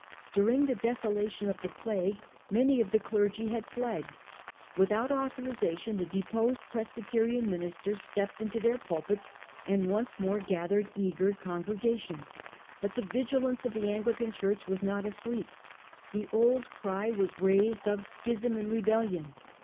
During the desola tion of the Plague many of the clergy had fled. Without Five Mile authorisation the deposed Presbyterian minis Aet. ters stepped into their pulpits and once more gathered eager congregations. But the vigilance of the Anglican Church was not asleep. The old cry was raised of * schism and rebellion.